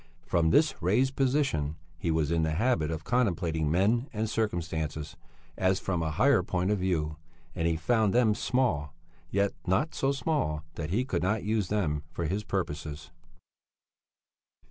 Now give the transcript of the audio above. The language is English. From this raised position he was in the habit of contemplating men and circumstances as from a higher point of view, and he found them small; yet not so small that he could not use them for his purposes.